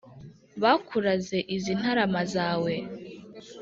Bakuraze izi ntarama zawe